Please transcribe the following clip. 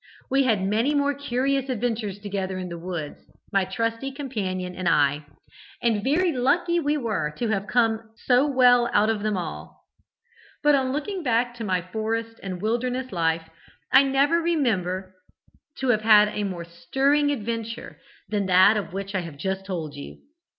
We had many more curious adventures together in the woods, my trusty companion and I, and very lucky we were to have come so well out of them all. But on looking back to my forest and wilderness life, I never remember to have had a more stirring adventure than that of which I have just told you.